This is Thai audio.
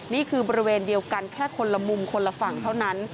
บริเวณเดียวกันแค่คนละมุมคนละฝั่งเท่านั้น